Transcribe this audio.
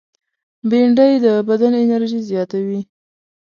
بېنډۍ د بدن انرژي زیاتوي